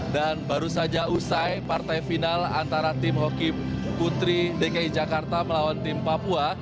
dan baru saja usai partai final antara tim hoki putri dki jakarta melawan tim papua